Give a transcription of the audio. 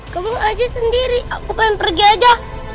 kamu aja sendiri aku pengen pergi aja